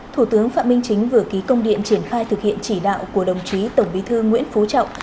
thủ tướng phạm minh chính vừa ký công điện triển khai thực hiện chỉ đạo của đồng chí tổng bí thư nguyễn phú trọng